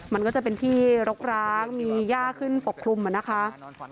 มันก็จะเป็นที่รกร้างมีย่าขึ้นปกคลุมนะคะ